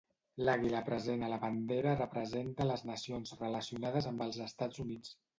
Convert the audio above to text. L'àguila present a la bandera representa les nacions relacionades amb els Estats Units.